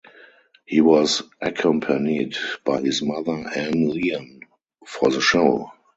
He was accompanied by his mother Ann Lian for the show.